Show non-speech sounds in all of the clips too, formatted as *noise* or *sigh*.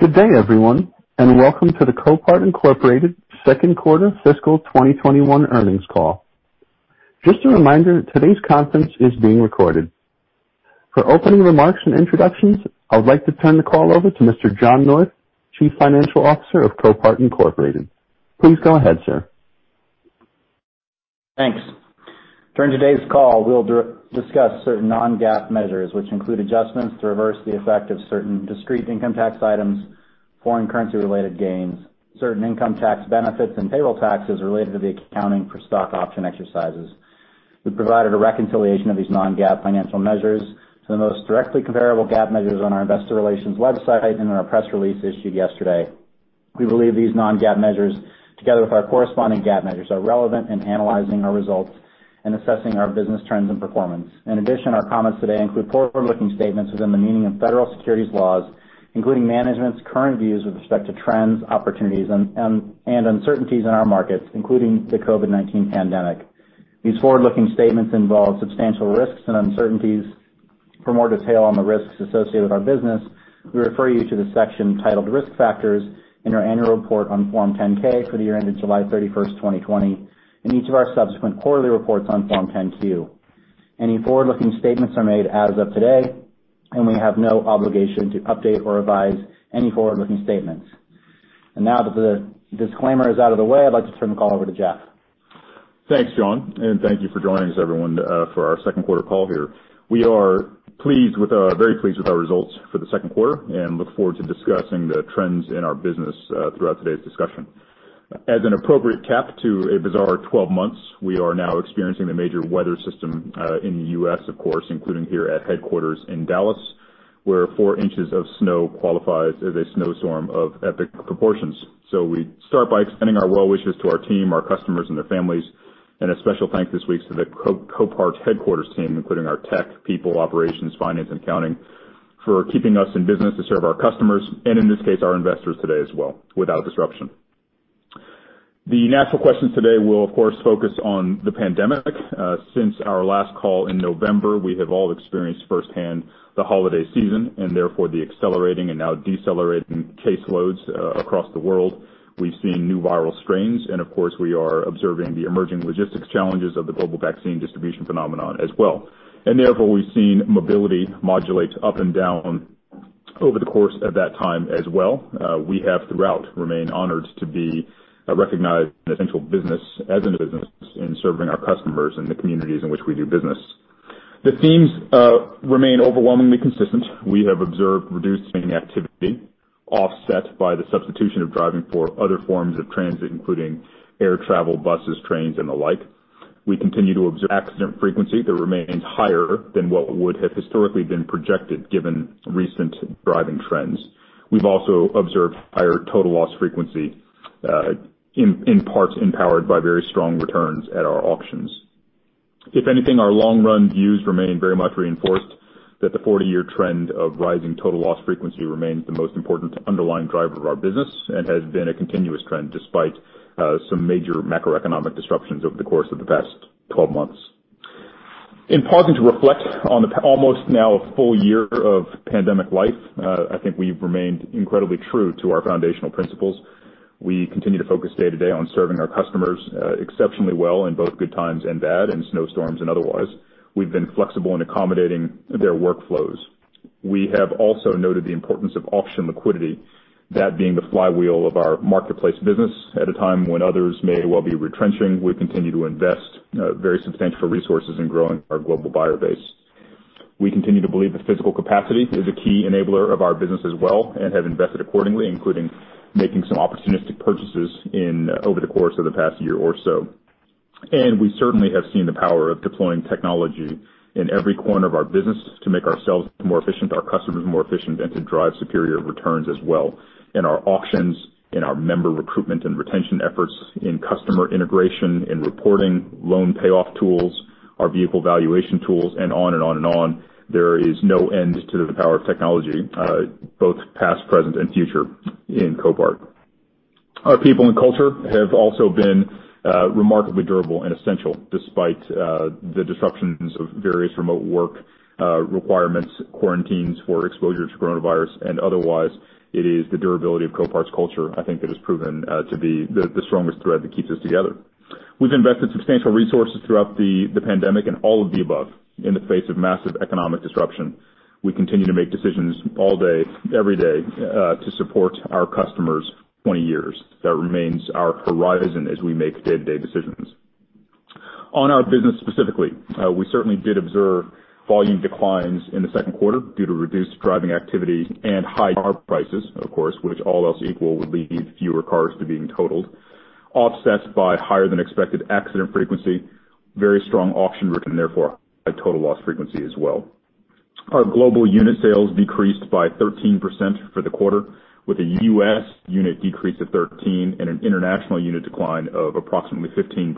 Good day, everyone, and welcome to the Copart, Inc. second quarter fiscal 2021 earnings call. Just a reminder, today's conference is being recorded. For opening remarks and introductions, I would like to turn the call over to Mr. John North, Chief Financial Officer of Copart, Incorporated. Please go ahead, sir. Thanks. During today's call, we'll discuss certain non-GAAP measures, which include adjustments to reverse the effect of certain discrete income tax items, foreign currency-related gains, certain income tax benefits, and payroll taxes related to the accounting for stock option exercises. We've provided a reconciliation of these non-GAAP financial measures to the most directly comparable GAAP measures on our investor relations website and in our press release issued yesterday. We believe these non-GAAP measures, together with our corresponding GAAP measures, are relevant in analyzing our results and assessing our business trends and performance. In addition, our comments today include forward-looking statements within the meaning of federal securities laws, including management's current views with respect to trends, opportunities, and uncertainties in our markets, including the COVID-19 pandemic. These forward-looking statements involve substantial risks and uncertainties. For more detail on the risks associated with our business, we refer you to the section titled Risk Factors in our annual report on Form 10-K for the year ended July 31st, 2020, and each of our subsequent quarterly reports on Form 10-Q. Any forward-looking statements are made as of today, we have no obligation to update or revise any forward-looking statements. Now that the disclaimer is out of the way, I'd like to turn the call over to Jeff. Thanks, John, and thank you for joining us, everyone, for our second quarter call here. We are very pleased with our results for the second quarter and look forward to discussing the trends in our business throughout today's discussion. As an appropriate cap to a bizarre 12 months, we are now experiencing a major weather system in the U.S., of course, including here at headquarters in Dallas, where four inches of snow qualifies as a snowstorm of epic proportions. We start by extending our well wishes to our team, our customers, and their families, and a special thanks this week to the Copart headquarters team, including our tech people, operations, finance, accounting, for keeping us in business to serve our customers and, in this case, our investors today as well, without disruption. The natural questions today will, of course, focus on the pandemic. Since our last call in November, we have all experienced firsthand the holiday season and therefore the accelerating and now decelerating caseloads across the world. We've seen new viral strains, of course, we are observing the emerging logistics challenges of the global vaccine distribution phenomenon as well. Therefore, we've seen mobility modulate up and down over the course of that time as well. We have throughout remained honored to be recognized as an essential business in serving our customers and the communities in which we do business. The themes remain overwhelmingly consistent. We have observed reduced spending activity offset by the substitution of driving for other forms of transit, including air travel, buses, trains, and the like. We continue to observe accident frequency that remains higher than what would have historically been projected given recent driving trends. We've also observed higher total loss frequency in parts empowered by very strong returns at our auctions. If anything, our long-run views remain very much reinforced that the 40-year trend of rising total loss frequency remains the most important underlying driver of our business and has been a continuous trend despite some major macroeconomic disruptions over the course of the past 12 months. In pausing to reflect on almost now a full year of pandemic life, I think we've remained incredibly true to our foundational principles. We continue to focus day-to-day on serving our customers exceptionally well in both good times and bad, in snowstorms and otherwise. We've been flexible in accommodating their workflows. We have also noted the importance of auction liquidity, that being the flywheel of our marketplace business. At a time when others may well be retrenching, we continue to invest very substantial resources in growing our global buyer base. We continue to believe that physical capacity is a key enabler of our business as well and have invested accordingly, including making some opportunistic purchases over the course of the past year or so. We certainly have seen the power of deploying technology in every corner of our business to make ourselves more efficient, our customers more efficient, and to drive superior returns as well in our auctions, in our member recruitment and retention efforts, in customer integration, in reporting, loan payoff tools, our vehicle valuation tools, and on and on. There is no end to the power of technology both past, present, and future in Copart. Our people and culture have also been remarkably durable and essential despite the disruptions of various remote work requirements, quarantines for exposure to coronavirus, and otherwise. It is the durability of Copart's culture, I think, that has proven to be the strongest thread that keeps us together. We've invested substantial resources throughout the pandemic in all of the above in the face of massive economic disruption. We continue to make decisions all day, every day, to support our customers for 20 years. That remains our horizon as we make day-to-day decisions. On our business specifically, we certainly did observe volume declines in the second quarter due to reduced driving activity and high car prices, of course, which all else equal would lead fewer cars to being totaled, offset by higher than expected accident frequency, very strong auction return, therefore a total loss frequency as well. Our global unit sales decreased by 13% for the quarter, with a U.S. unit decrease of 13% and an international unit decline of approximately 15%.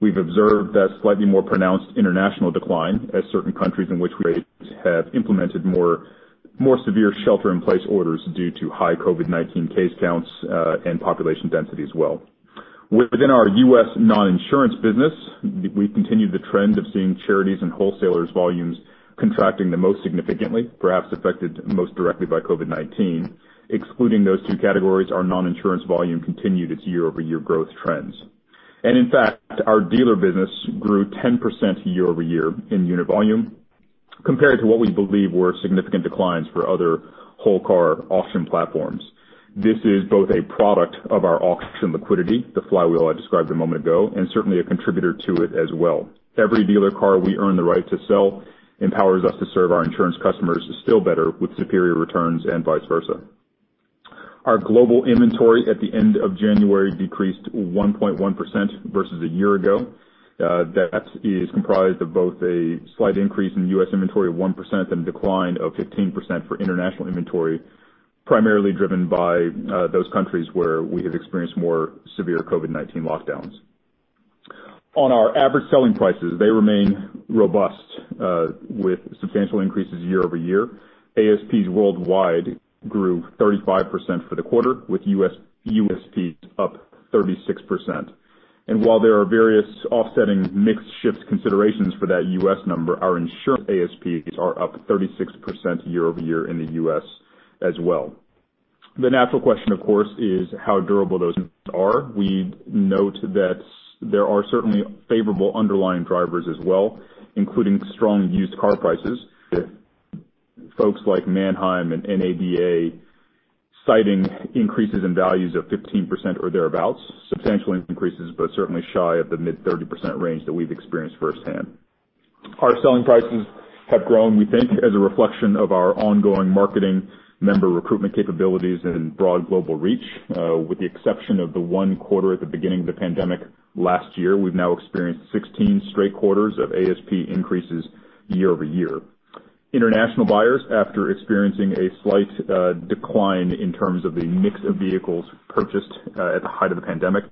We've observed that slightly more pronounced international decline as certain countries in which we have implemented more severe shelter-in-place orders due to high COVID-19 case counts and population density as well. Within our U.S. non-insurance business, we continued the trend of seeing charities and wholesalers volumes contracting the most significantly, perhaps affected most directly by COVID-19. Excluding those two categories, our non-insurance volume continued its year-over-year growth trends. In fact, our dealer business grew 10% year-over-year in unit volume compared to what we believe were significant declines for other whole car auction platforms. This is both a product of our auction liquidity, the flywheel I described a moment ago, and certainly a contributor to it as well. Every dealer car we earn the right to sell empowers us to serve our insurance customers still better with superior returns and vice versa. Our global inventory at the end of January decreased 1.1% versus a year ago. That is comprised of both a slight increase in U.S. inventory of 1% and a decline of 15% for international inventory, primarily driven by those countries where we have experienced more severe COVID-19 lockdowns. On our average selling prices, they remain robust with substantial increases year-over-year. ASPs worldwide grew 35% for the quarter, with U.S. ASPs up 36%. While there are various offsetting mix shift considerations for that U.S. number, our insurance ASPs are up 36% year-over-year in the U.S. as well. The natural question, of course, is how durable those are. We note that there are certainly favorable underlying drivers as well, including strong used car prices. Folks like Manheim and NADA citing increases in values of 15% or thereabouts, substantial increases, but certainly shy of the mid-30% range that we've experienced firsthand. Our selling prices have grown, we think, as a reflection of our ongoing marketing member recruitment capabilities and broad global reach, with the exception of the one quarter at the beginning of the pandemic last year, we've now experienced 16 straight quarters of ASP increases year-over-year. International buyers, after experiencing a slight decline in terms of the mix of vehicles purchased at the height of the pandemic,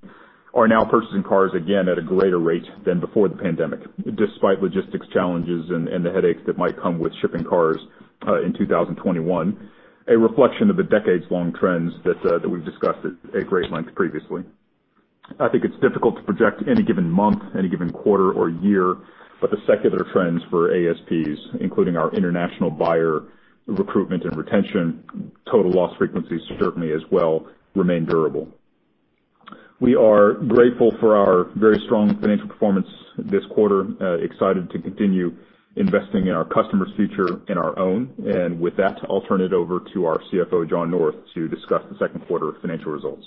are now purchasing cars again at a greater rate than before the pandemic, despite logistics challenges and the headaches that might come with shipping cars in 2021, a reflection of the decades-long trends that we've discussed at great length previously. I think it's difficult to project any given month, any given quarter or year, but the secular trends for ASPs, including our international buyer recruitment and retention, total loss frequencies certainly as well remain durable. We are grateful for our very strong financial performance this quarter, excited to continue investing in our customers' future and our own. With that, I'll turn it over to our CFO, John North, to discuss the second quarter financial results.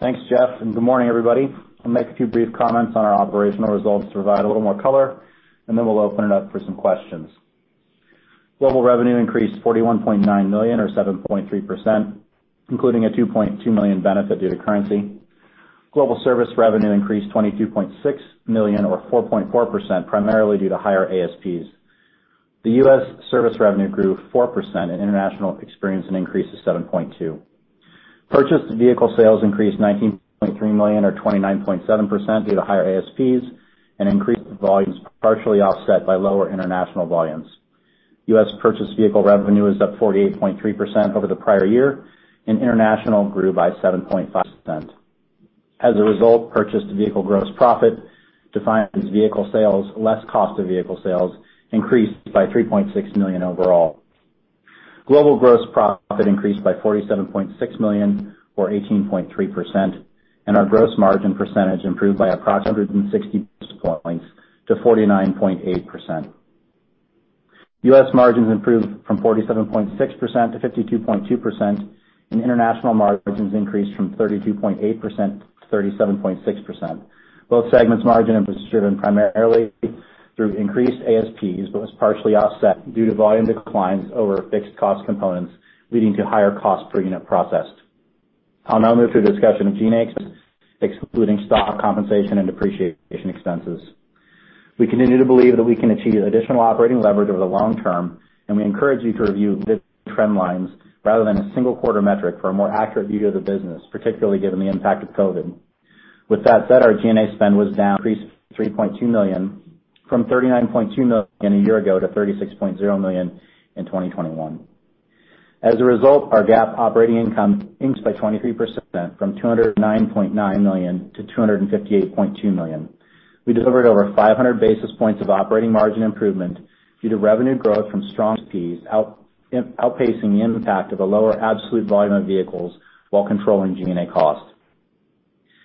Thanks, Jeff, and good morning, everybody. I'll make a few brief comments on our operational results to provide a little more color, and then we'll open it up for some questions. Global revenue increased $41.9 million or 7.3%, including a $2.2 million benefit due to currency. Global service revenue increased $22.6 million or 4.4%, primarily due to higher ASPs. The U.S. service revenue grew 4%, and international experienced an increase of 7.2%. Purchased vehicle sales increased $19.3 million or 29.7% due to higher ASPs and increased volumes partially offset by lower international volumes. U.S. purchased vehicle revenue is up 48.3% over the prior year, and international grew by 7.5%. As a result, purchased vehicle gross profit, defined as vehicle sales less cost of vehicle sales, increased by $3.6 million overall. Global gross profit increased by $47.6 million or 18.3%, and our gross margin percentage improved by approximately 160 basis points to 49.8%. U.S. margins improved from 47.6%-52.2%, and international margins increased from 32.8%-37.6%. Both segments' margin was driven primarily through increased ASPs, but was partially offset due to volume declines over fixed cost components, leading to higher cost per unit processed. I'll now move to a discussion of G&As, excluding stock compensation and depreciation expenses. We continue to believe that we can achieve additional operating leverage over the long term, and we encourage you to review trend lines rather than a single quarter metric for a more accurate view of the business, particularly given the impact of COVID. With that said, our G&A spend was down $3.2 million from $39.2 million a year ago to $36.0 million in 2021. As a result, our GAAP operating income increased by 23%, from $209.9 million- $258.2 million. We delivered over 500 basis points of operating margin improvement due to revenue growth from strong ASPs outpacing the impact of a lower absolute volume of vehicles while controlling G&A costs.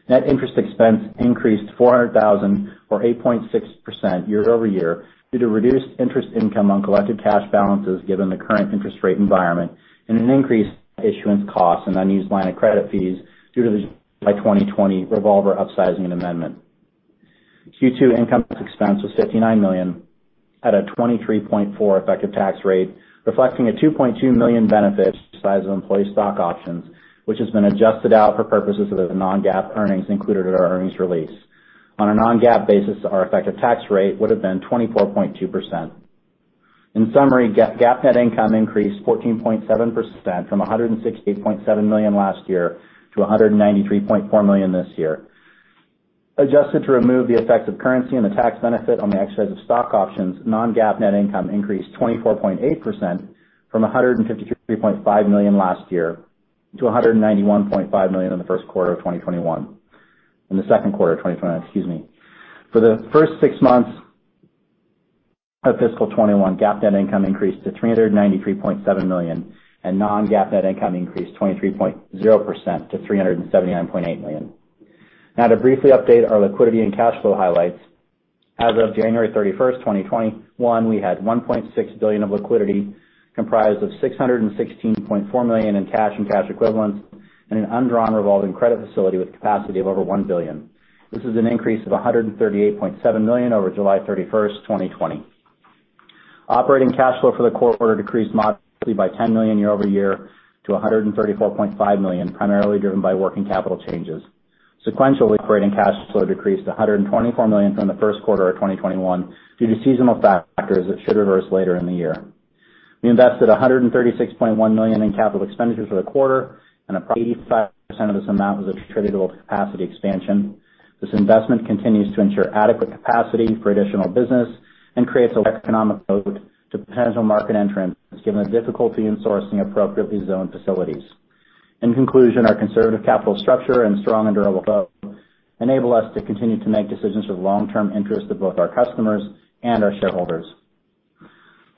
Net interest expense increased $400,000, or 8.6%, year-over-year due to reduced interest income on collected cash balances given the current interest rate environment and an increase in issuance costs and unused line of credit fees due to the 2020 revolver upsizing and amendment. Q2 income tax expense was $59 million at a 23.4% effective tax rate, reflecting a $2.2 million benefit from the exercise of employee stock options, which has been adjusted out for purposes of the non-GAAP earnings included in our earnings release. On a non-GAAP basis, our effective tax rate would have been 24.2%. In summary, GAAP net income increased 14.7% from $168.7 million last year to $193.4 million this year. Adjusted to remove the effects of currency and the tax benefit on the exercise of stock options, non-GAAP net income increased 24.8% from $153.5 million last year to $191.5 million in the first quarter of 2021. In the second quarter of 2021, excuse me. For the first six months of fiscal 2021, GAAP net income increased to $393.7 million, and non-GAAP net income increased 23.0% to $379.8 million. Now to briefly update our liquidity and cash flow highlights. As of January 31, 2021, we had $1.6 billion of liquidity comprised of $616.4 million in cash and cash equivalents, and an undrawn revolving credit facility with capacity of over $1 billion. This is an increase of $138.7 million over July 31, 2020. Operating cash flow for the quarter decreased modestly by $10 million year-over-year to $134.5 million, primarily driven by working capital changes. Sequentially, operating cash flow decreased $124 million from the first quarter of 2021 due to seasonal factors that should reverse later in the year. We invested $136.1 million in capital expenditures for the quarter, and approximately 85% of this amount was attributable to capacity expansion. This investment continues to ensure adequate capacity for additional business and creates an economic moat to potential market entrants, given the difficulty in sourcing appropriately zoned facilities. In conclusion, our conservative capital structure and strong and durable moat enable us to continue to make decisions for the long-term interest of both our customers and our shareholders.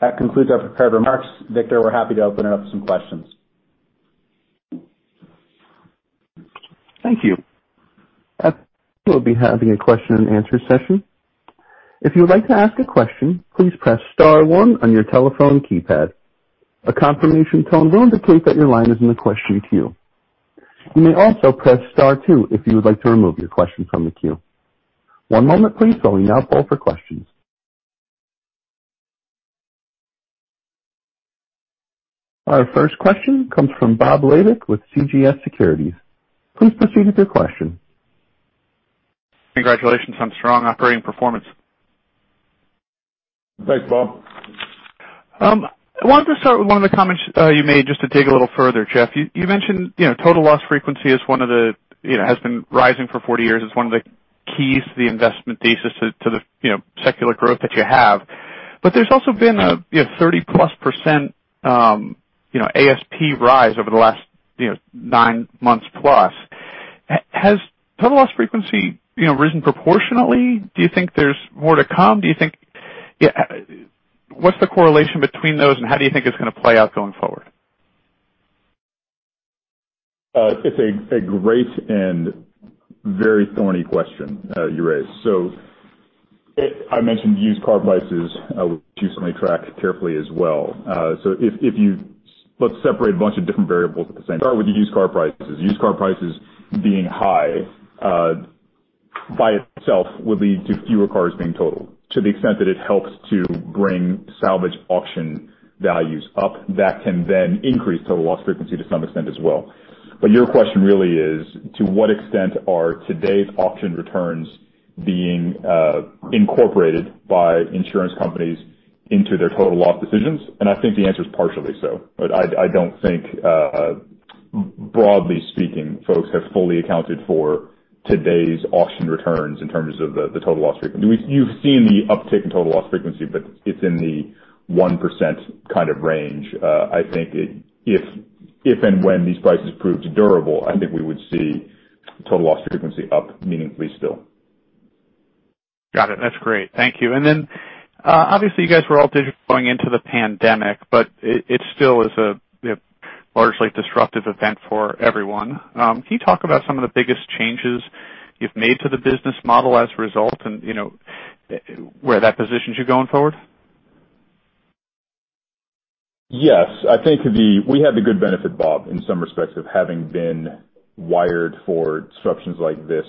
That concludes our prepared remarks. Victor, we're happy to open it up to some questions. Thank you. We'll be having a question and answer session. If you would like to ask a question please press star one on your telephone keypad. A confirmation tone will indicate your line is in the question queue. You may also press star two if you would like to remove your question from the queue. One moment please while we now call for questions. Our first question comes from Bob Labick with CJS Securities. Please proceed with your question. Congratulations on strong operating performance. Thanks, Bob. I wanted to start with one of the comments you made, just to dig a little further, Jeff. You mentioned total loss frequency has been rising for 40 years. It's one of the keys to the investment thesis to the secular growth that you have. There's also been a +30% ASP rise over the last nine months plus. Has total loss frequency risen proportionally? Do you think there's more to come? What's the correlation between those, and how do you think it's going to play out going forward? It's a great and very thorny question you raised. I mentioned used car prices, which we certainly track carefully as well. Let's separate a bunch of different variables at the same time. Start with used car prices. Used car prices being high, by itself, would lead to fewer cars being totaled, to the extent that it helps to bring salvage auction values up. That can then increase total loss frequency to some extent as well. Your question really is, to what extent are today's auction returns being incorporated by insurance companies into their total loss decisions? I think the answer is partially so. I don't think, broadly speaking, folks have fully accounted for today's auction returns in terms of the total loss frequency. You've seen the uptick in total loss frequency, but it's in the 1% kind of range. I think if and when these prices prove durable, I think we would see total loss frequency up meaningfully still. Got it. That's great. Thank you. Obviously, you guys were all digital going into the pandemic, but it still is a largely disruptive event for everyone. Can you talk about some of the biggest changes you've made to the business model as a result and where that positions you going forward? Yes. I think we had the good benefit, Bob, in some respects, of having been wired for disruptions like this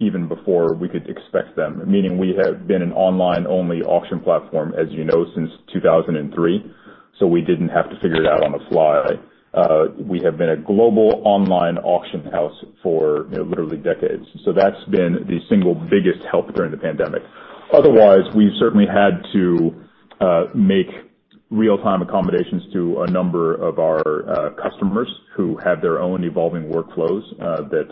even before we could expect them. Meaning we have been an online-only auction platform, as you know, since 2003, so we didn't have to figure it out on the fly. We have been a global online auction house for literally decades. That's been the single biggest help during the pandemic. Otherwise, we've certainly had to make real-time accommodations to a number of our customers who have their own evolving workflows. They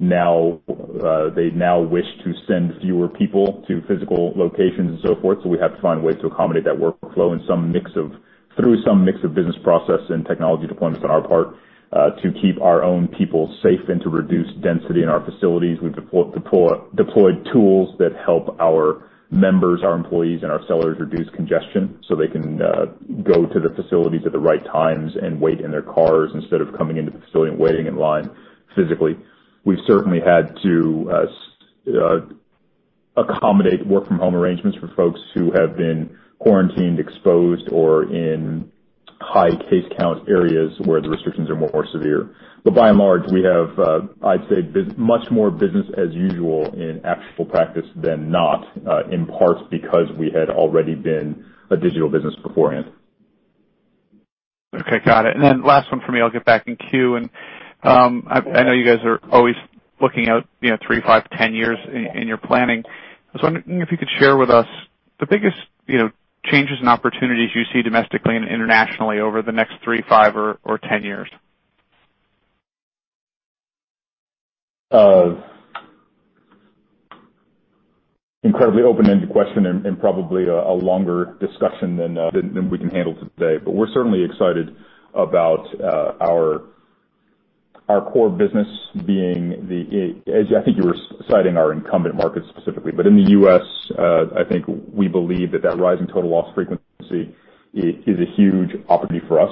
now wish to send fewer people to physical locations and so forth, so we have to find ways to accommodate that workflow through some mix of business process and technology deployments on our part to keep our own people safe and to reduce density in our facilities. We've deployed tools that help our members, our employees, and our sellers reduce congestion so they can go to the facilities at the right times and wait in their cars instead of coming into the facility and waiting in line physically. We've certainly had to accommodate work from home arrangements for folks who have been quarantined, exposed, or in high case count areas where the restrictions are more severe. By and large, we have, I'd say, much more business as usual in actual practice than not, in part because we had already been a digital business beforehand. Okay. Got it. Last one from me, I'll get back in queue. I know you guys are always looking out three, five, 10 years in your planning. I was wondering if you could share with us the biggest changes and opportunities you see domestically and internationally over the next three, five or 10 years. Incredibly open-ended question and probably a longer discussion than we can handle today. We're certainly excited about our core business. I think you were citing our incumbent markets specifically. In the U.S., I think we believe that that rise in total loss frequency is a huge opportunity for us,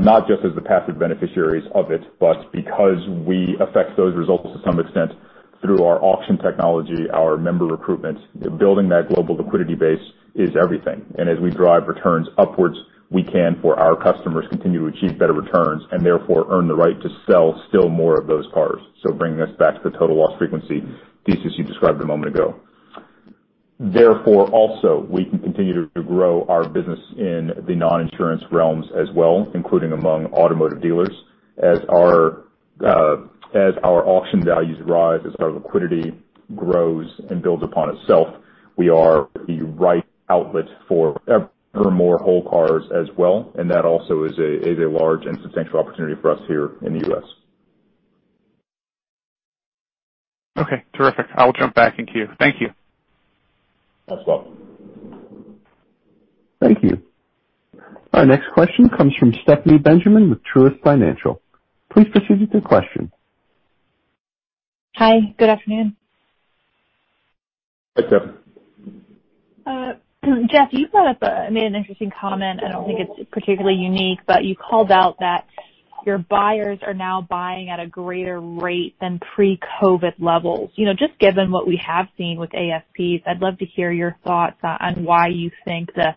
not just as the passive beneficiaries of it, but because we affect those results to some extent through our auction technology, our member recruitment. Building that global liquidity base is everything. As we drive returns upwards, we can, for our customers, continue to achieve better returns and therefore earn the right to sell still more of those cars. Bringing us back to the total loss frequency thesis you described a moment ago. Therefore, also, we can continue to grow our business in the non-insurance realms as well, including among automotive dealers. As our auction values rise, as our liquidity grows and builds upon itself, we are the right outlet for more whole cars as well, and that also is a large and substantial opportunity for us here in the U.S. Okay, terrific. I'll jump back in queue. Thank you. You're as well. Thank you. Our next question comes from Stephanie Benjamin with Truist Financial. Please proceed with your question. Hi, good afternoon. Hi, Stephanie. Jeff, you brought up, made an interesting comment. I don't think it's particularly unique, but you called out that your buyers are now buying at a greater rate than pre-COVID levels. Just given what we have seen with ASPs, I'd love to hear your thoughts on why you think the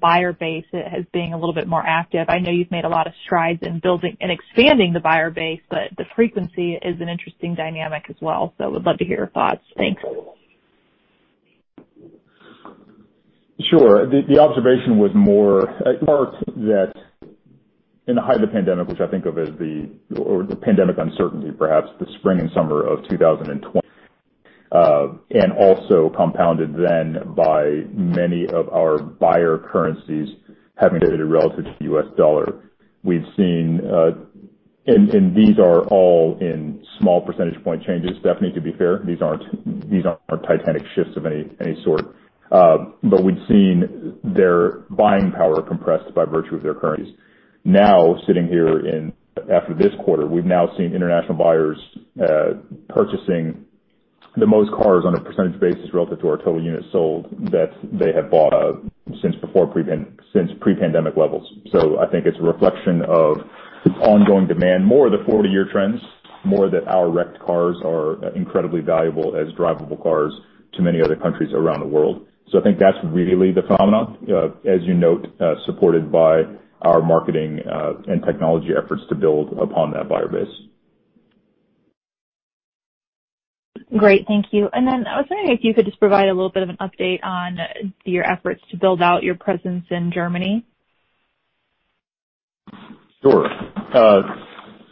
buyer base has been a little bit more active. I know you've made a lot of strides in building and expanding the buyer base, but the frequency is an interesting dynamic as well. Would love to hear your thoughts. Thanks. Sure. The observation was more in part that in the height of the pandemic, which I think of as the pandemic uncertainty, perhaps the spring and summer of 2020, and also compounded then by many of our buyer currencies having depleted relative to the U.S. dollar. We've seen, and these are all in small percentage point changes, Stephanie, to be fair, these aren't titanic shifts of any sort. We've seen their buying power compressed by virtue of their currencies. Now, sitting here after this quarter, we've now seen international buyers purchasing the most cars on a percentage basis relative to our total units sold that they have bought since pre-pandemic levels. I think it's a reflection of ongoing demand, more of the 40-year trends, more that our wrecked cars are incredibly valuable as drivable cars to many other countries around the world. I think that's really the phenomenon, as you note, supported by our marketing and technology efforts to build upon that buyer base. Great. Thank you. Then I was wondering if you could just provide a little bit of an update on your efforts to build out your presence in Germany. Sure.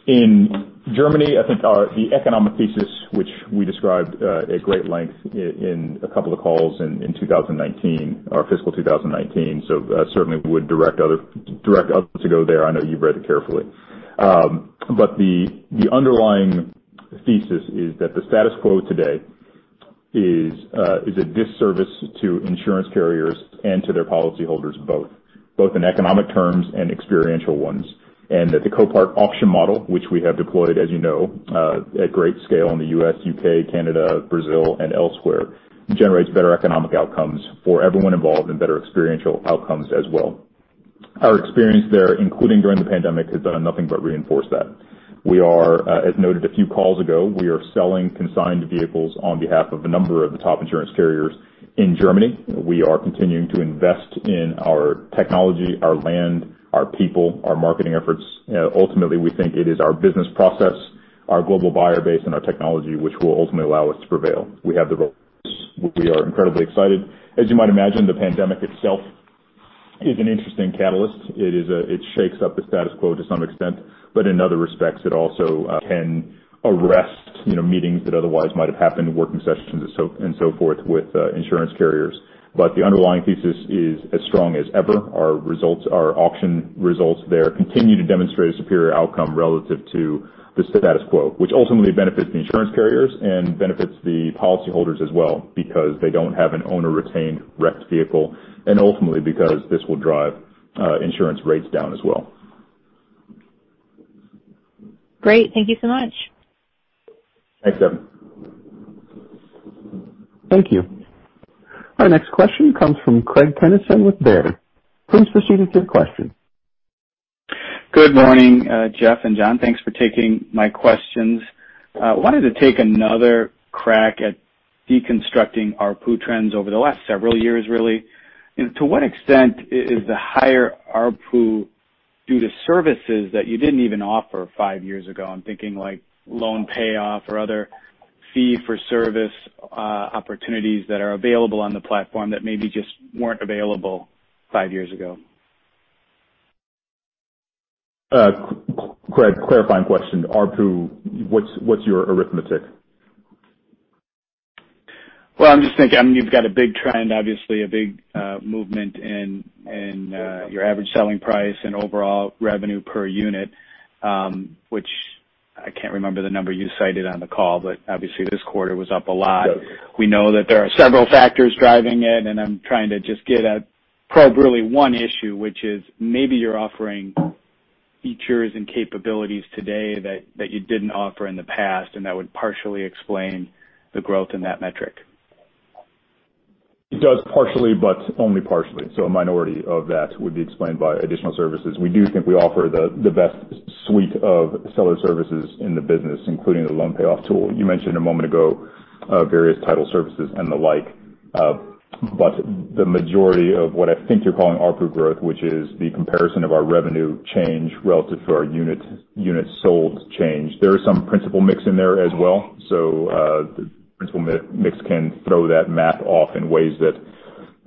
In Germany, I think the economic thesis, which we described at great length in a couple of calls in 2019, our fiscal 2019, so I certainly would direct others to go there. I know you've read it carefully. The underlying thesis is that the status quo today is a disservice to insurance carriers and to their policyholders both in economic terms and experiential ones, and that the Copart auction model, which we have deployed, as you know, at great scale in the U.S., U.K., Canada, Brazil, and elsewhere, generates better economic outcomes for everyone involved and better experiential outcomes as well. Our experience there, including during the pandemic, has done nothing but reinforce that. As noted a few calls ago, we are selling consigned vehicles on behalf of a number of the top insurance carriers in Germany. We are continuing to invest in our technology, our land, our people, our marketing efforts. Ultimately, we think it is our business process, our global buyer base, and our technology which will ultimately allow us to prevail. We are incredibly excited. As you might imagine, the pandemic itself is an interesting catalyst. It shakes up the status quo to some extent, but in other respects, it also can arrest meetings that otherwise might have happened, working sessions and so forth with insurance carriers. The underlying thesis is as strong as ever. Our auction results there continue to demonstrate a superior outcome relative to the status quo, which ultimately benefits the insurance carriers and benefits the policyholders as well because they don't have an owner-retained wrecked vehicle, and ultimately because this will drive insurance rates down as well. Great. Thank you so much. Thanks, Stephanie. Thank you. Our next question comes from Craig Kennison with Baird. Please proceed with your question. Good morning, Jeff and John. Thanks for taking my questions. I wanted to take another crack at deconstructing ARPU trends over the last several years, really. To what extent is the higher ARPU due to services that you didn't even offer five years ago? I'm thinking like loan payoff or other fee-for-service opportunities that are available on the platform that maybe just weren't available five years ago. Craig, clarifying question. ARPU, what's your arithmetic? Well, I'm just thinking, you've got a big trend, obviously a big movement in your average selling price and overall revenue per unit, which I can't remember the number you cited on the call, but obviously this quarter was up a lot. We know that there are several factors driving it. I'm trying to just get at probably really one issue, which is maybe you're offering features and capabilities today that you didn't offer in the past, and that would partially explain the growth in that metric. It does partially, but only partially. A minority of that would be explained by additional services. We do think we offer the best suite of seller services in the business, including the loan payoff tool. You mentioned a moment ago various title services and the like. The majority of what I think you're calling ARPU growth, which is the comparison of our revenue change relative to our units sold change. There is some principal mix in there as well. The principal mix can throw that math off in ways that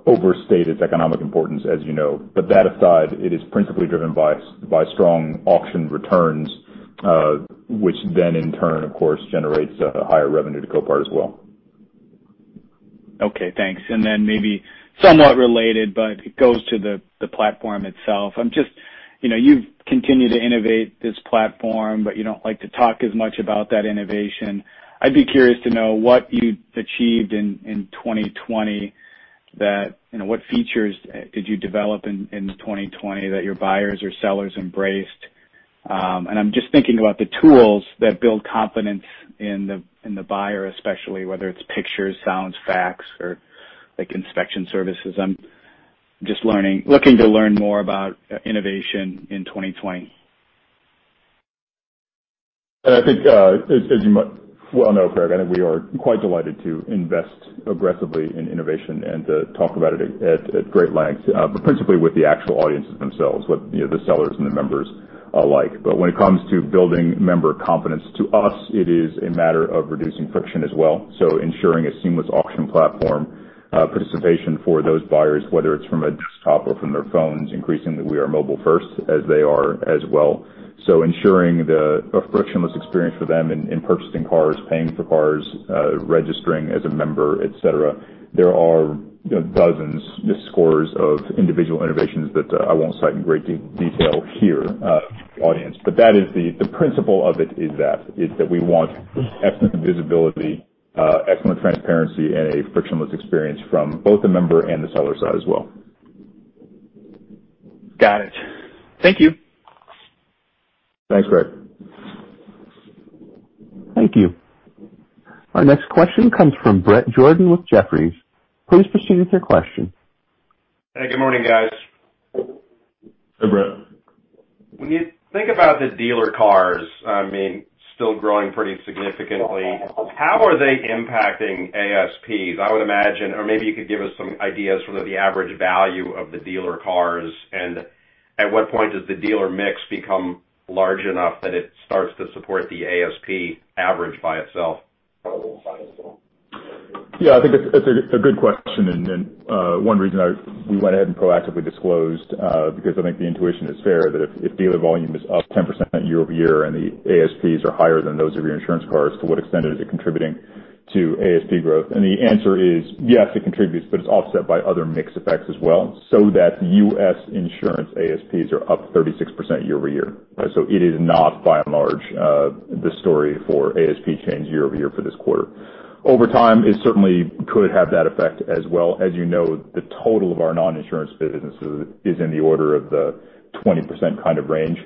overstate its economic importance, as you know. That aside, it is principally driven by strong auction returns, which then in turn, of course, generates a higher revenue to Copart as well. Okay, thanks. Then maybe somewhat related, but it goes to the platform itself. You've continued to innovate this platform, but you don't like to talk as much about that innovation. I'd be curious to know what features did you develop in 2020 that your buyers or sellers embraced? I'm just thinking about the tools that build confidence in the buyer, especially, whether it's pictures, sounds, facts, or inspection services. I'm just looking to learn more about innovation in 2020. I think, as you well know, Craig, I think we are quite delighted to invest aggressively in innovation and to talk about it at great length, but principally with the actual audiences themselves, the sellers and the members alike. When it comes to building member confidence, to us, it is a matter of reducing friction as well. Ensuring a seamless auction platform participation for those buyers, whether it's from a desktop or from their phones. Increasingly, we are mobile first as they are as well ensuring a frictionless experience for them in purchasing cars, paying for cars, registering as a member, et cetera. There are dozens, scores of individual innovations that I won't cite in great detail here. *inaudible* The principle of it is that we want excellent visibility, excellent transparency, and a frictionless experience from both the member and the seller side as well. Got it. Thank you. Thanks, Craig. Thank you. Our next question comes from Bret Jordan with Jefferies. Please proceed with your question. Hey, good morning, guys. Hey, Bret. When you think about the dealer cars, still growing pretty significantly, how are they impacting ASPs? I would imagine, or maybe you could give us some ideas for the average value of the dealer cars, and at what point does the dealer mix become large enough that it starts to support the ASP average by itself? Yeah, I think that's a good question. One reason we went ahead and proactively disclosed, because I think the intuition is fair, that if dealer volume is up 10% year-over-year and the ASPs are higher than those of your insurance cars, to what extent is it contributing to ASP growth? The answer is yes, it contributes, but it's offset by other mix effects as well, so that U.S. insurance ASPs are up 36% year-over-year. It is not, by and large, the story for ASP change year-over-year for this quarter. Over time, it certainly could have that effect as well. As you know, the total of our non-insurance business is in the order of the 20% kind of range.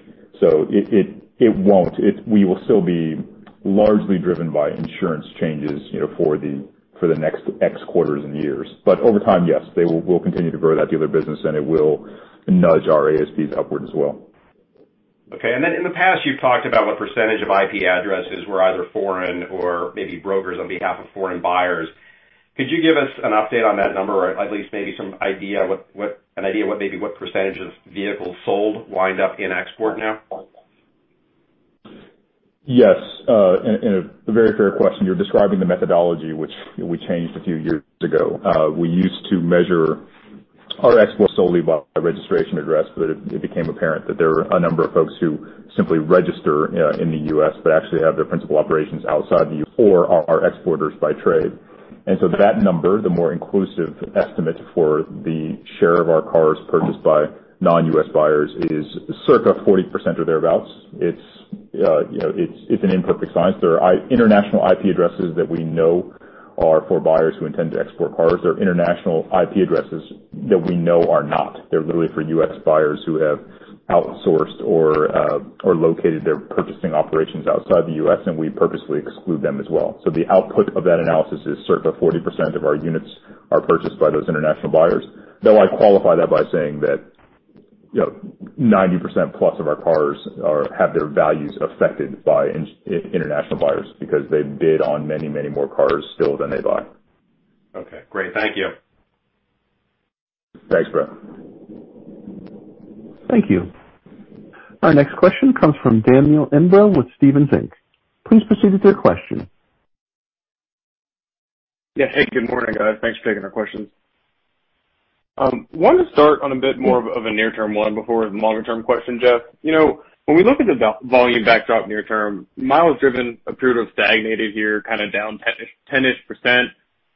It won't. We will still be largely driven by insurance changes for the next X quarters and years. Over time, yes, they will continue to grow that dealer business, and it will nudge our ASPs upward as well. Okay. Then in the past, you've talked about what percentage of IP addresses were either foreign or maybe brokers on behalf of foreign buyers. Could you give us an update on that number, at least maybe some idea what maybe what percentage of vehicles sold wind up in export now? Yes. A very fair question. You're describing the methodology which we changed a few years ago. We used to measure our exports solely by registration address, but it became apparent that there were a number of folks who simply register in the U.S. but actually have their principal operations outside the U.S. or are exporters by trade. That number, the more inclusive estimate for the share of our cars purchased by non-U.S. buyers, is circa 40% or thereabouts. It's an imperfect science. There are international IP addresses that we know are for buyers who intend to export cars. There are international IP addresses that we know are not. They're literally for U.S. buyers who have outsourced or located their purchasing operations outside the U.S., and we purposely exclude them as well. The output of that analysis is circa 40% of our units are purchased by those international buyers, though I qualify that by saying that 90%+ of our cars have their values affected by international buyers because they bid on many, many more cars still than they buy. Okay, great. Thank you. Thanks, Bret. Thank you. Our next question comes from Daniel Imbro with Stephens Inc. Please proceed with your question. Yeah. Hey, good morning, guys. Thanks for taking our questions. Wanted to start on a bit more of a near-term one before the longer-term question, Jeff. When we look at the volume backdrop near term, miles driven appeared to have stagnated here, kind of down 10-ish%.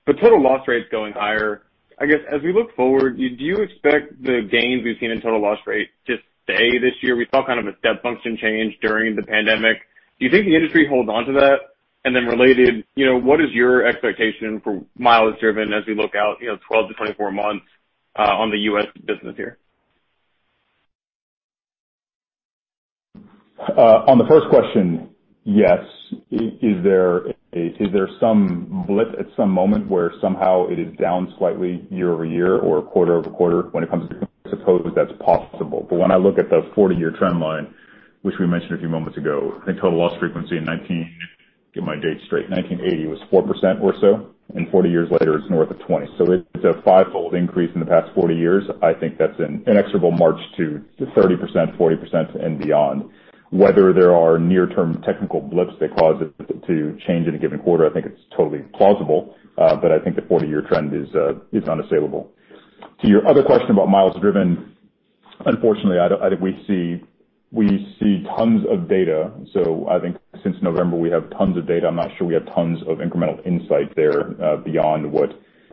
Total loss rate's going higher. I guess, as we look forward, do you expect the gains we've seen in total loss rate to stay this year? We saw kind of a step function change during the pandemic. Do you think the industry holds onto that? Related, what is your expectation for miles driven as we look out 12 months-24 months, on the U.S. business here? On the first question, yes. Is there some blip at some moment where somehow it is down slightly year-over-year or quarter-over-quarter when it comes to suppose that's possible. When I look at the 40-year trend line, which we mentioned a few moments ago, I think total loss frequency in 1980 was 4% or so, and 40 years later it's north of 20%. It's a fivefold increase in the past 40 years. I think that's an inexorable march to 30%, 40%, and beyond. Whether there are near-term technical blips that cause it to change in a given quarter, I think it's totally plausible. I think the 40-year trend is unassailable. To your other question about miles driven, unfortunately, I think we see tons of data. I think since November we have tons of data. I'm not sure we have tons of incremental insight there beyond what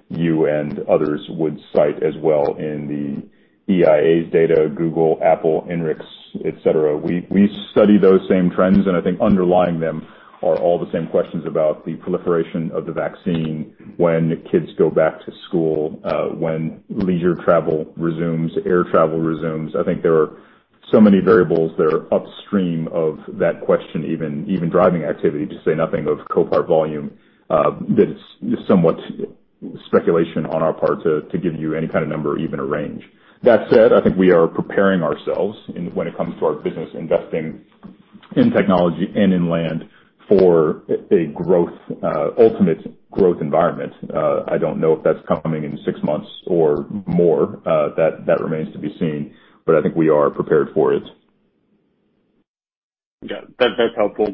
you and others would cite as well in the EIA's data, Google, Apple, INRIX, et cetera. We study those same trends. I think underlying them are all the same questions about the proliferation of the vaccine, when kids go back to school, when leisure travel resumes, air travel resumes. I think there are so many variables that are upstream of that question, even driving activity, to say nothing of Copart volume, that it's somewhat speculation on our part to give you any kind of number or even a range. That said, I think we are preparing ourselves when it comes to our business, investing in technology and in land for a ultimate growth environment. I don't know if that's coming in six months or more. That remains to be seen, but I think we are prepared for it. Yeah. That's helpful.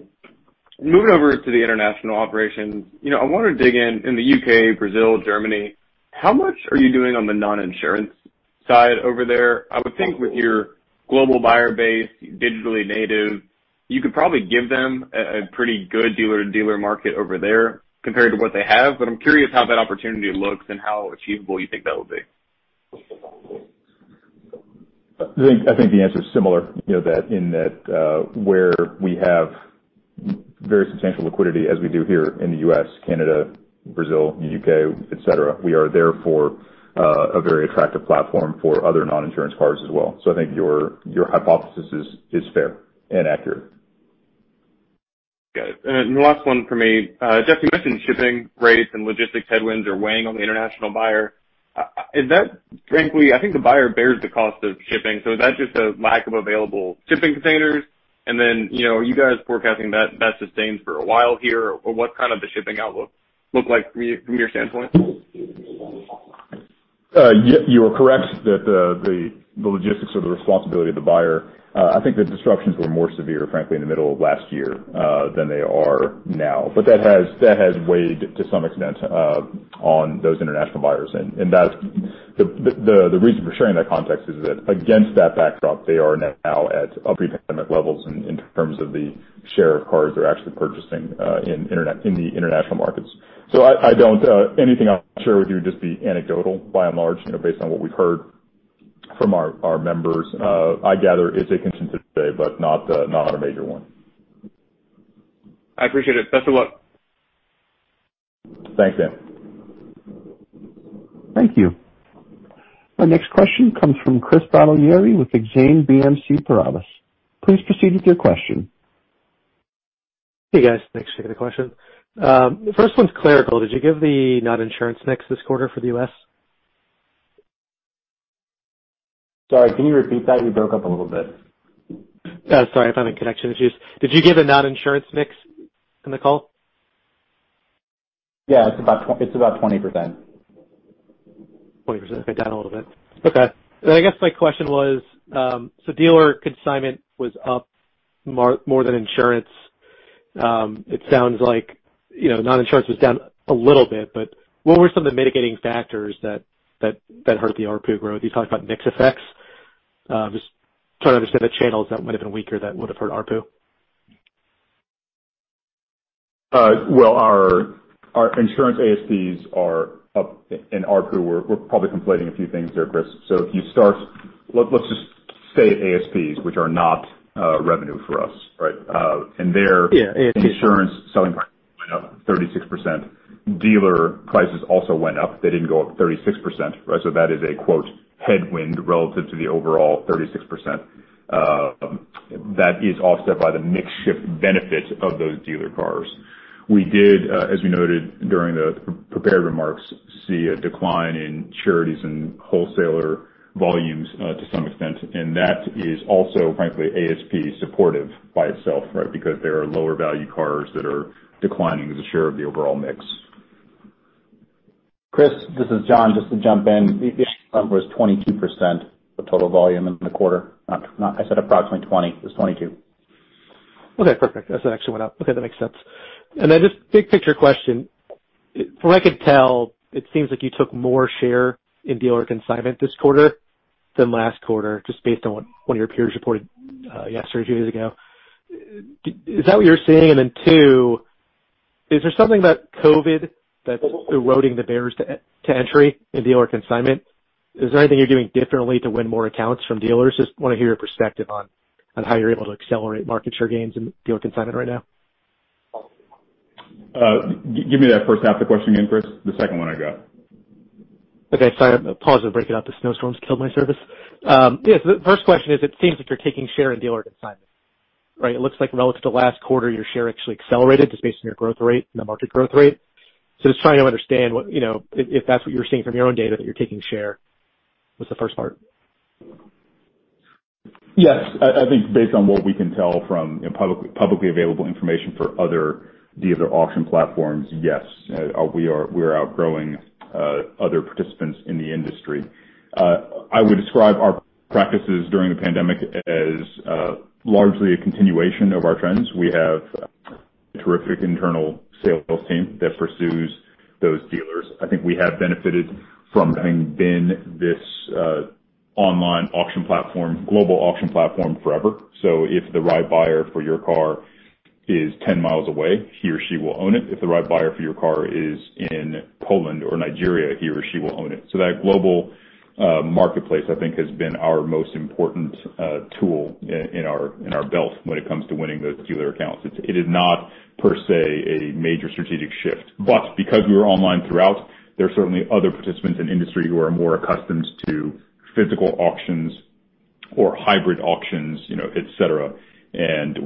Moving over to the international operations. I want to dig in the U.K., Brazil, Germany. How much are you doing on the non-insurance side over there? I would think with your global buyer base, digitally native, you could probably give them a pretty good dealer to dealer market over there compared to what they have. I'm curious how that opportunity looks and how achievable you think that will be. I think the answer is similar, in that where we have very substantial liquidity as we do here in the U.S., Canada, Brazil, U.K., et cetera, we are therefore a very attractive platform for other non-insurance cars as well. I think your hypothesis is fair and accurate. Got it. The last one from me. Jeff, you mentioned shipping rates and logistics headwinds are weighing on the international buyer. Frankly, I think the buyer bears the cost of shipping. Is that just a lack of available shipping containers? Are you guys forecasting that sustains for a while here? What kind of the shipping outlook look like from your standpoint? You are correct that the logistics are the responsibility of the buyer. I think the disruptions were more severe, frankly, in the middle of last year, than they are now. That has weighed to some extent on those international buyers. The reason for sharing that context is that against that backdrop, they are now at pre-pandemic levels in terms of the share of cars they're actually purchasing in the international markets. Anything I would share with you would just be anecdotal by and large based on what we've heard from our members. I gather it's a concern today, but not a major one. I appreciate it. Best of luck. Thanks, Dan. Thank you. Our next question comes from Chris Bottiglieri with Exane BNP Paribas. Please proceed with your question. Hey, guys. Thanks for the question. First one's clerical. Did you give the non-insurance mix this quarter for the U.S.? Sorry, can you repeat that? You broke up a little bit. Sorry if I'm having connection issues. Did you give a non-insurance mix in the call? Yeah. It's about 20%. 20%. Okay. Down a little bit. Okay. I guess my question was, so dealer consignment was up more than insurance. It sounds like, non-insurance was down a little bit, but what were some of the mitigating factors that hurt the ARPU growth? You talked about mix effects. I'm just trying to understand the channels that might have been weaker that would have hurt ARPU. Well, our insurance ASPs are up in ARPU. We're probably conflating a few things there, Chris. If you start, let's just say ASPs, which are not revenue for us, right? Yeah Insurance selling price went up 36%. Dealer prices also went up. They didn't go up 36%, right? That is a quote, "Headwind" relative to the overall 36%. That is offset by the mix shift benefit of those dealer cars. We did, as we noted during the prepared remarks, see a decline in charities and wholesaler volumes to some extent. That is also frankly, ASP supportive by itself, right? Because there are lower value cars that are declining as a share of the overall mix. Chris, this is John just to jump in. The actual number is 22% of total volume in the quarter. I said approximately 20%, it's 22%. Okay, perfect. That's actually went up. Okay. That makes sense. Just big picture question. From what I could tell, it seems like you took more share in dealer consignment this quarter than last quarter, just based on what your peers reported yesterday or two days ago. Is that what you're seeing? Two, is there something about COVID that's eroding the barriers to entry in dealer consignment? Is there anything you're doing differently to win more accounts from dealers? Just want to hear your perspective on how you're able to accelerate market share gains in dealer consignment right now. Give me that first half of the question again, Chris. The second one I got. Okay. Sorry, I paused and break it up. The snowstorm's killed my service. Yeah. The first question is, it seems like you're taking share in dealer consignment. Right. It looks like relative to last quarter, your share actually accelerated just based on your growth rate and the market growth rate. Just trying to understand if that's what you're seeing from your own data that you're taking share, was the first part. Yes. I think based on what we can tell from publicly available information for other dealer auction platforms, yes. We are outgrowing other participants in the industry. I would describe our practices during the pandemic as largely a continuation of our trends. We have a terrific internal sales team that pursues those dealers. I think we have benefited from having been this online auction platform, global auction platform forever. If the right buyer for your car is 10 mi away, he or she will own it. If the right buyer for your car is in Poland or Nigeria, he or she will own it. That global marketplace I think has been our most important tool in our belt when it comes to winning those dealer accounts. It is not per se a major strategic shift, but because we were online throughout, there are certainly other participants in industry who are more accustomed to physical auctions or hybrid auctions, et cetera.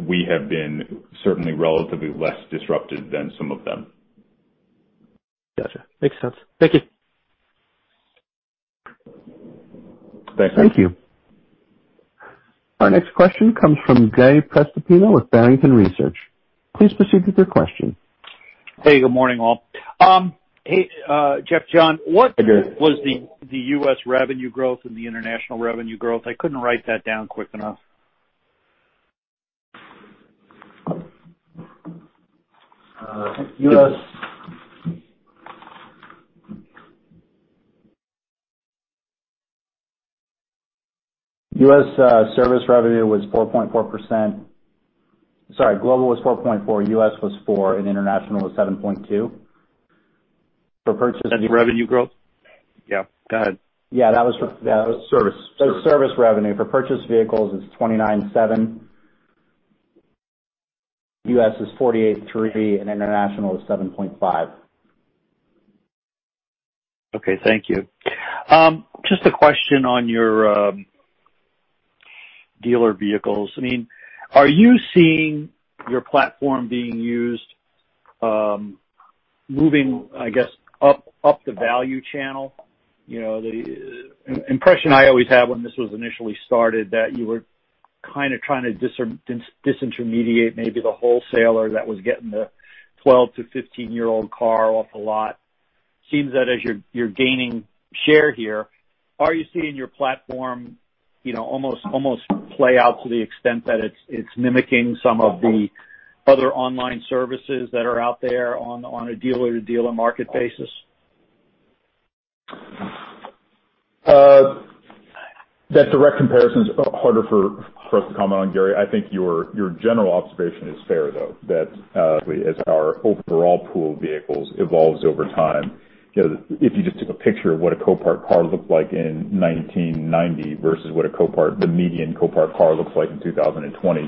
We have been certainly relatively less disrupted than some of them. Got you. Makes sense. Thank you. Thanks. Thank you. Our next question comes from Gary Prestopino with Barrington Research. Please proceed with your question. Hey, good morning all. Hey, Jeff, John. Hey, Gary. What was the U.S. revenue growth and the international revenue growth? I couldn't write that down quick enough. U.S. service revenue was 4.4%. Sorry. Global was 4.4%, U.S. was 4%, and international was 7.2%. That's revenue growth? Yeah, go ahead. Yeah, that was for-. Service service revenue. For purchased vehicles is $29.7. U.S. is $48.3 and international is $7.5. Okay. Thank you. Just a question on your dealer vehicles. Are you seeing your platform being used, moving, I guess, up the value channel? The impression I always had when this was initially started that you were kind of trying to disintermediate maybe the wholesaler that was getting the 12-15-year-old car off the lot. Seems that as you're gaining share here, are you seeing your platform almost play out to the extent that it's mimicking some of the other online services that are out there on a dealer-to-dealer market basis? That direct comparison's harder for us to comment on, Gary. I think your general observation is fair, though, that as our overall pool of vehicles evolves over time, if you just took a picture of what a Copart car looked like in 1990 versus what a median Copart car looks like in 2020,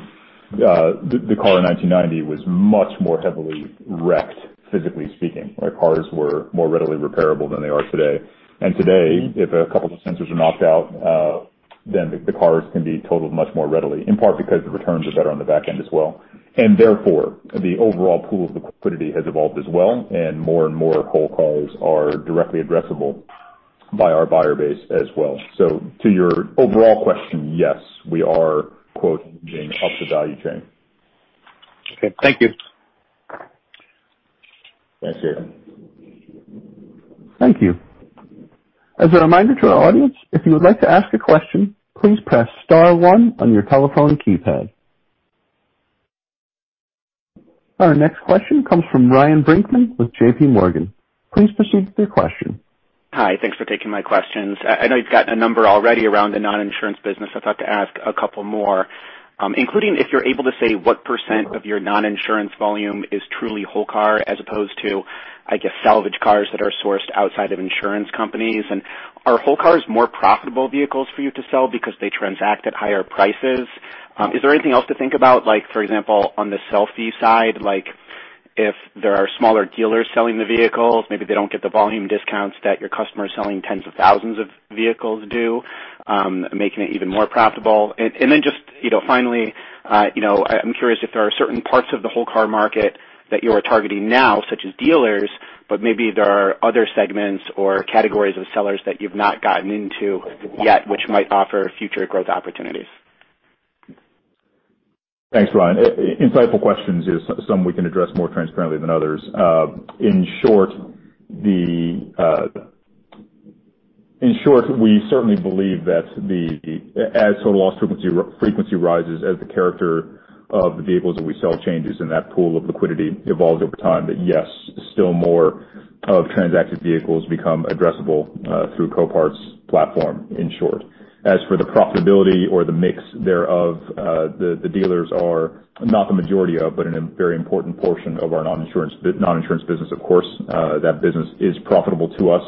the car in 1990 was much more heavily wrecked physically speaking, right? Cars were more readily repairable than they are today. Today, if a couple of sensors are knocked out, then the cars can be totaled much more readily, in part because the returns are better on the back end as well. Therefore, the overall pool of liquidity has evolved as well, and more and more whole cars are directly addressable by our buyer base as well. To your overall question, yes, we are, quote, "Moving up the value chain. Okay. Thank you. Thanks, Gary. Thank you. As a reminder to our audience, if you would like to ask a question, please press star one on your telephone keypad. Our next question comes from Ryan Brinkman with JPMorgan. Please proceed with your question. Hi. Thanks for taking my questions. I know you've got a number already around the non-insurance business. I thought to ask a couple more, including if you're able to say what percent of your non-insurance volume is truly whole car as opposed to, I guess, salvage cars that are sourced outside of insurance companies. Are whole cars more profitable vehicles for you to sell because they transact at higher prices? Is there anything else to think about, like for example, on the *inaudible* side, like if there are smaller dealers selling the vehicles, maybe they don't get the volume discounts that your customers selling tens of thousands of vehicles do, making it even more profitable? Just finally, I'm curious if there are certain parts of the whole car market that you are targeting now, such as dealers, but maybe there are other segments or categories of sellers that you've not gotten into yet which might offer future growth opportunities. Thanks, Ryan. Insightful questions. Some we can address more transparently than others. In short, we certainly believe that as total loss frequency rises as the character of the vehicles that we sell changes and that pool of liquidity evolves over time, that yes, still more of transacted vehicles become addressable through Copart's platform, in short. As for the profitability or the mix thereof, the dealers are not the majority of, but a very important portion of our non-insurance business, of course. That business is profitable to us.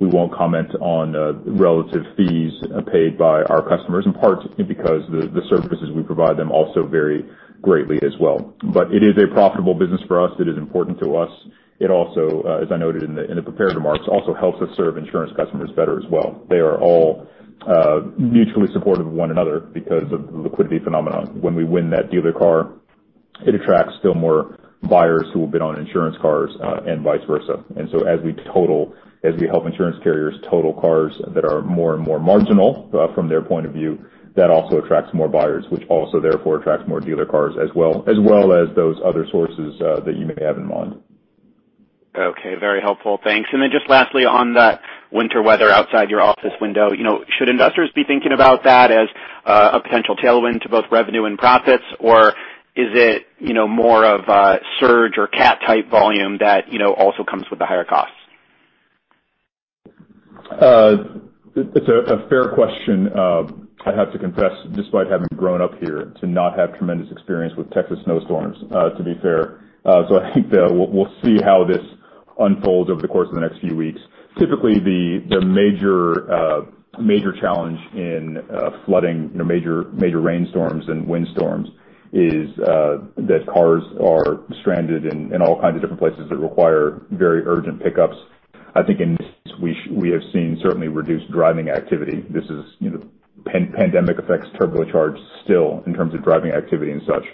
We won't comment on relative fees paid by our customers, in part because the services we provide them also vary greatly as well but it is a profitable business for us. It is important to us. It also, as I noted in the prepared remarks, also helps us serve insurance customers better as well. They are all mutually supportive of one another because of the liquidity phenomenon. When we win that dealer car, it attracts still more buyers who will bid on insurance cars and vice versa. As we help insurance carriers total cars that are more and more marginal from their point of view, that also attracts more buyers, which also therefore attracts more dealer cars as well, as well as those other sources that you may have in mind. Okay. Very helpful. Thanks. Just lastly, on the winter weather outside your office window, should investors be thinking about that as a potential tailwind to both revenue and profits? Is it more of a surge or CAT type volume that also comes with the higher costs? It's a fair question. I have to confess, despite having grown up here, to not have tremendous experience with Texas snowstorms, to be fair. I think that we'll see how this unfolds over the course of the next few weeks. Typically, the major challenge in flooding, major rainstorms and windstorms is that cars are stranded in all kinds of different places that require very urgent pickups. I think in this we have seen certainly reduced driving activity. Pandemic effects turbocharged still in terms of driving activity and such.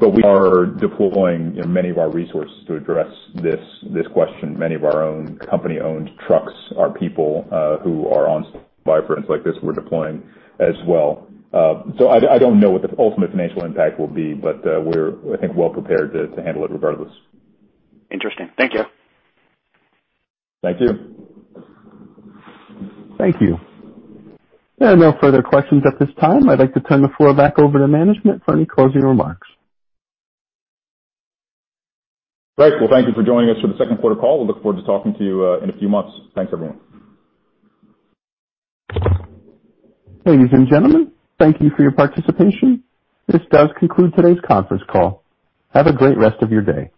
We are deploying many of our resources to address this question. Many of our own company-owned trucks are people who are on standby for incidents like this we're deploying as well. I don't know what the ultimate financial impact will be, but we're, I think, well prepared to handle it regardless. Interesting. Thank you. Thank you. Thank you. There are no further questions at this time. I'd like to turn the floor back over to management for any closing remarks. Great. Well, thank you for joining us for the second quarter call. We look forward to talking to you in a few months. Thanks, everyone. Ladies and gentlemen, thank you for your participation. This does conclude today's conference call. Have a great rest of your day.